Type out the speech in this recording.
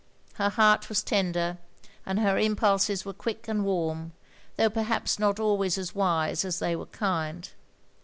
Her heart was tender, and her impulses were quick and warm, though perhaps not always as wise as they were kind.